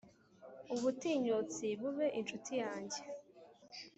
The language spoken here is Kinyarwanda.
ubutinyutsi bube inshuti yanjye.